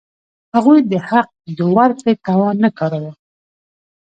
هغوی د حق د ورکړې توان نه کاراوه.